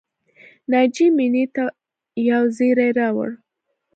ناجیې مینې ته یو زېری راوړ